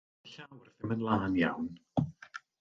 Doedd y llawr ddim yn lân iawn.